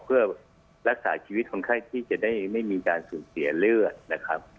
เพื่อรักษาชีวิตคนไข้ที่จะได้ไม่มีการสูญเสียเลือดนะครับ